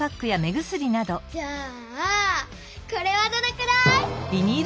じゃあこれはどれくらい？